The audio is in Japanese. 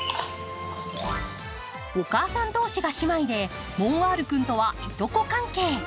お母さん同士が姉妹でモンアール君とはいとこ関係。